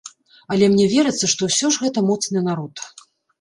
Але мне верыцца, што ўсё ж гэта моцны народ.